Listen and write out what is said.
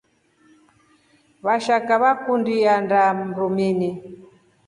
Vashaka vakundi indaa mrumini.